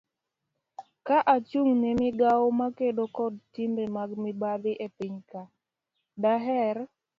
ka achung' ne migawo makedo kod timbe mag mibadhi e piny ka, daher